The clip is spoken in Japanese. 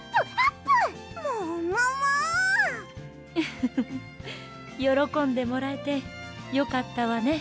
フフフッよろこんでもらえてよかったわね